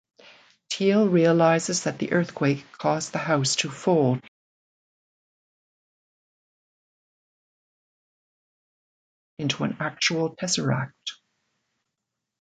Teal realizes that the earthquake caused the house to fold into an actual tesseract.